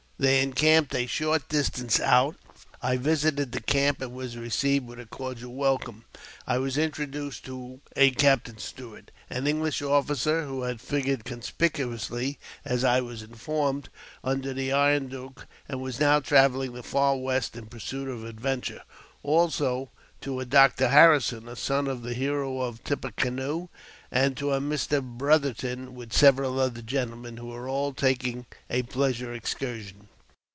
They encamped a short distance out. I visited the camp, and was received with a cordial welcome. I was introduced to a Captain Stuart, an English officer, who had figured con spicuously, as I was informed, under the Iron Duke, and was now travelling the Far West in pursuit of adventure ; also to a Dr. Harrison, a son of the hero of Tippecanoe, and to a Mr. Brotherton, with several other gentlemen, who were all taking a pleasure excursion.